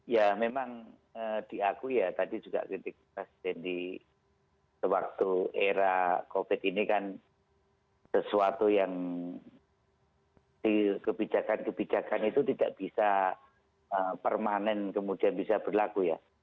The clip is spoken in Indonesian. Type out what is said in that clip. ya memang diakui ya tadi juga kritik presiden di sewaktu era covid ini kan sesuatu yang di kebijakan kebijakan itu tidak bisa permanen kemudian bisa berlaku ya